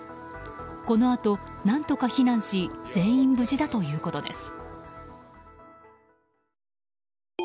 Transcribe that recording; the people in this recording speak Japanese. このあと何とか避難し全員無事だということです。